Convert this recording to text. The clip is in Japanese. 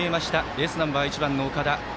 エースナンバー、１番の岡田。